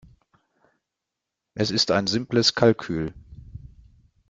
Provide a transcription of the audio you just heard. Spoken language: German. Es ist ein simples Kalkül.